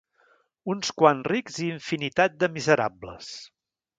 Uns quants rics i infinitat de miserables.